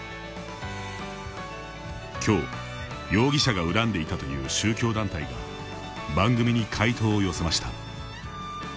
きょう、容疑者が恨んでいたという宗教団体が番組に回答を寄せました。